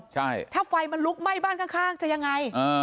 ถ้าไฟลุกให้ไหม้บ้านข้างจะอย่างไร